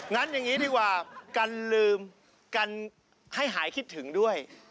งั้นอย่างนี้ดีกว่ากันลืมกันให้หายคิดถึงด้วย